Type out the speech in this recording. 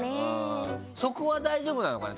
そこは大丈夫なのかな？